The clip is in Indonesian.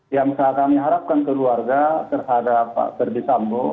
yang kami harapkan keluarga terhadap pak ferdisambo